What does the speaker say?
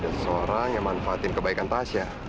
seseorang yang manfaatin kebaikan tasya